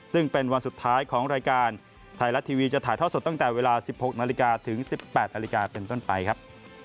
ซึ่งเป็นวันสุดท้ายของรายการไทยรัฐทีวีจะถ่ายท่อสดตั้งแต่เวลา๑๖นาฬิกาถึง๑๘นาฬิกาเป็นต้นไปครับ